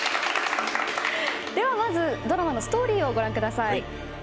まず、ドラマのストーリーをご覧ください。